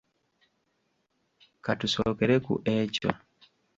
Ka tusookere ku ekyo.